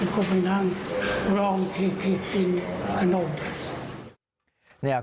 ก็ไปนั่งลองทีกินขนม